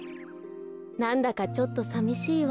なんだかちょっとさみしいわ。